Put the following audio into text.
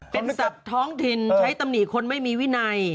เป็นศัพท์ท้องถิ่นใช้ตำหนิคนไม่มีวินัย